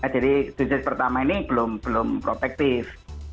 jadi dosis pertama ini belum protektif